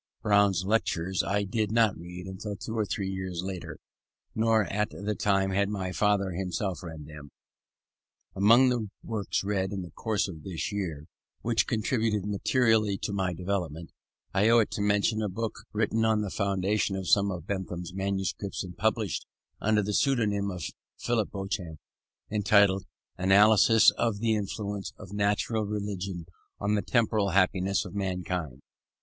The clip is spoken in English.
Brown's Lectures I did not read until two or three years later, nor at that time had my father himself read them. Among the works read in the course of this year, which contributed materially to my development, I owe it to mention a book (written on the foundation of some of Bentham's manuscripts and published under the pseudonyme of Philip Beauchamp) entitled Analysis of the Influence of Natural Religion on the Temporal Happiness of Mankind.